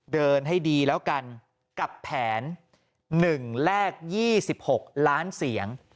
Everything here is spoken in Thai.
เดินให้ดีแล้วกันกับแผน๑แลก๒๖ล้านเสียง